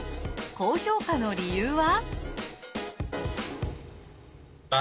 高評価の理由は？